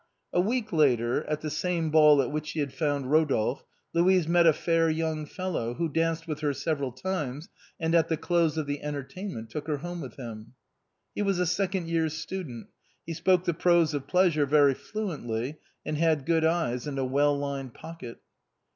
A week later, at the same ball at which she had found Eodolphe, Louise met a fair young fellow, who danced with her several times, and at the close of the entertainment took her home with him. He was a second year's student: he spoke the prose of pleasure very fluently, and had good eyes and a well lined pocket.